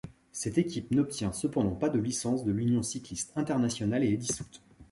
Cette équipe n'obtient cependant pas de licence de l'Union cycliste internationale et est dissoute.